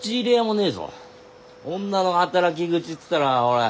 女の働き口っつったらほら